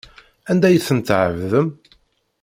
Anda ay ten-tɛebdem?